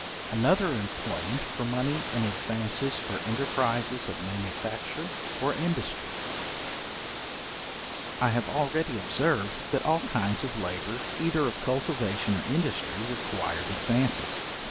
Another employment for money in advances for enterprises of manufacture or industry. I have already observed, that all kinds of labour, either of cultivation or industry, required advances.